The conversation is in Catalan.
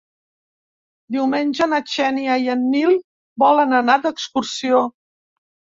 Diumenge na Xènia i en Nil volen anar d'excursió.